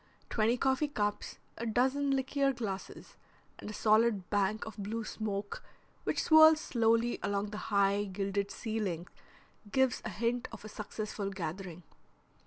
Twenty coffee cups, a dozer liqueur glasses, and a solid bank of blue smoke which swirls slowly along the high, gilded ceiling gives a hint of a successful gathering.